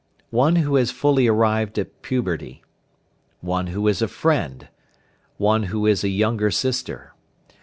One who has fully arrived at puberty. One who is a friend. One who is a younger sister.